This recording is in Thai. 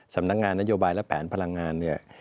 สำนักงานนโยบายและแผนพลังงานเนี่ย